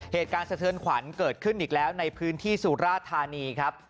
สะเทือนขวัญเกิดขึ้นอีกแล้วในพื้นที่สุราธานีครับ